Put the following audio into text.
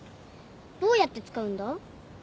どうやって使うんだ？